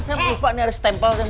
saya lupa nih ada stempel